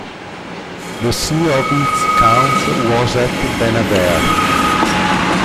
The seat of its counts was at Benabarre.